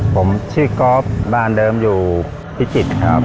ผมชื่อก๊อฟบ้านเดิมอยู่พิจิตรครับ